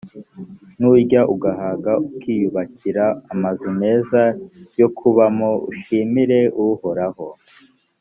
nurya ugahaga, ukiyubakira amazu meza yo kubamo uzishimire uhoraho,